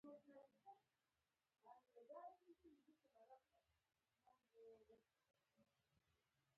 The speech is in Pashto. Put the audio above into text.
مېلمه ته د زړه مینه ورکړه.